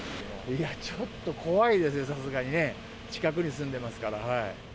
いや、ちょっと怖いですね、さすがにね。近くに住んでますから。